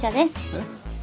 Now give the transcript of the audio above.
えっ？